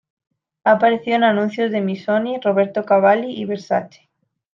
Ha aparecido en anuncios para Missoni, Roberto Cavalli y Versace.